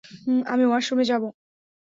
আমি ওয়াশরুমে যাব।